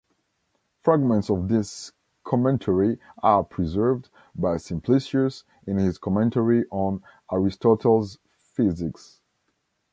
Fragments of this commentary are preserved by Simplicius in his commentary on Aristotle's "Physics".